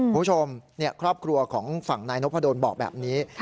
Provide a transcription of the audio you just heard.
ผู้ชมเนี่ยครอบครัวของฝั่งนายนกพะโดนบอกแบบนี้